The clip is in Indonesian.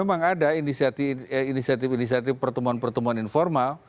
memang ada inisiatif inisiatif pertemuan pertemuan informal